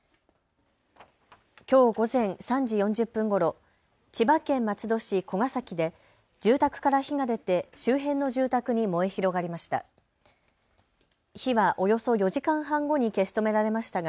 きょう午前３時４０分ごろ、千葉県松戸市古ケ崎で住宅から火が出て周辺の住宅に燃え広がりました。